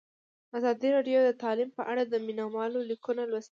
ازادي راډیو د تعلیم په اړه د مینه والو لیکونه لوستي.